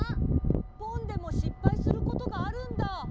ポンでもしっぱいすることがあるんだ。